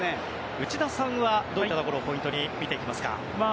内田さんはどういったところをポイントに見ていきますか？